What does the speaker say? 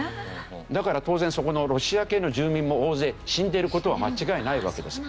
だから当然そこのロシア系の住民も大勢死んでいる事は間違いないわけです。